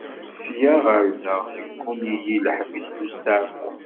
Sya ɣer da yegguni-iyi leḥbis d ustaɛfu.